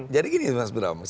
jadi gini mas bram